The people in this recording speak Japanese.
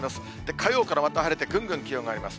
火曜からまた晴れて、ぐんぐん気温が上がります。